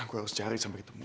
gue harus cari sampai ketemu